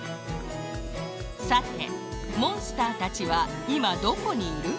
さてモンスターたちはいまどこにいる？